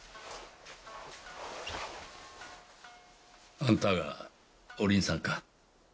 あんたがおりんさんか。